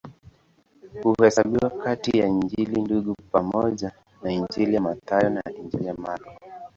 Huhesabiwa kati ya Injili Ndugu pamoja na Injili ya Mathayo na Injili ya Marko.